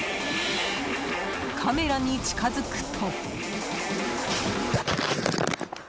カメラに近づくと。